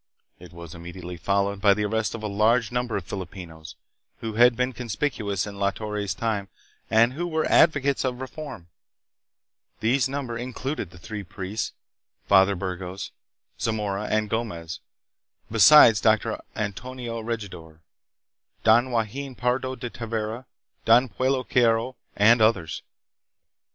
It was immediately followed by the arrest of a large number of Filipinos who had been conspicuous in La Torre's time and who were advocates of reform. This number included the three priests, Fathers Burgos, Za 280 THE PHILIPPINES. mora, and Gomez, besides Don Antonio Regidor, Don Joaquin Pardo de Tavera, Don Pedro Carillo, and others.